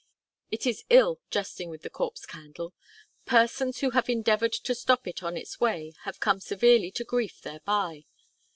It is ill jesting with the Corpse Candle. Persons who have endeavoured to stop it on its way have come severely to grief thereby.